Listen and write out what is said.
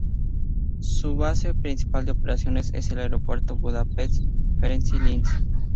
Su base principal de operaciones es el Aeropuerto de Budapest-Ferenc Liszt.